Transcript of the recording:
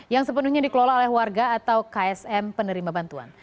yang sepenuhnya dikelola oleh warga atau ksm penerima bantuan